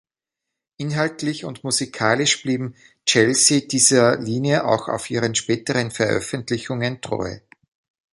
Inhaltlich und musikalisch blieben Chelsea dieser Linie auch auf ihren späteren Veröffentlichungen treu.